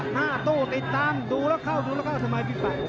หน้าตู้ติดตั้งดูแล้วเข้าดูแล้วเข้าสมัยผิดไป